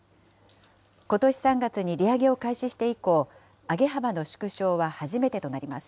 ことし３月に利上げを開始して以降、上げ幅の縮小は初めてとなります。